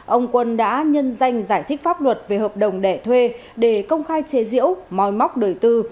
ông quân đã nhân danh giải thích pháp luật về hợp đồng đẻ thuê để công khai chế diễu moi móc đời tư